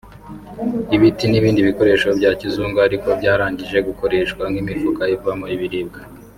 ibiti n’ibindi bikoresho bya kizungu ariko byarangije gukoreshwa nk’imifuka ivamo ibiribwa